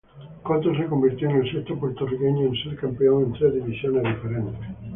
Cotto se convirtió en el sexto puertorriqueño en ser campeón en tres divisiones diferentes.